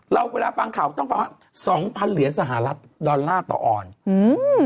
เราเวลาฟังข่าวต้องฟังว่า๒๐๐๐เหรียญสหรัฐดอลลาร์ต่อออนซ์